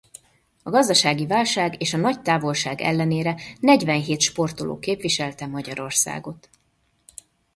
A gazdasági válság és a nagy távolság ellenére negyvenhét sportoló képviselte Magyarország-ot.